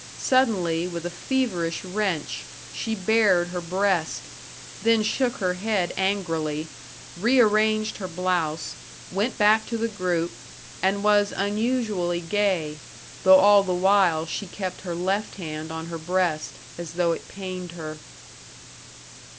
Suddenly, with a feverish wrench, she bared her breast, then shook her head angrily, rearranged her blouse, went back to the group, and was unusually gay, though all the while she kept her left hand on her breast, as though it pained her.